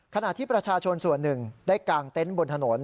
ขณะที่ประชาชนส่วนหนึ่งได้กางเต็นต์บนถนน